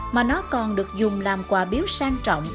mà nó còn được dùng làm quà biếu sang trọng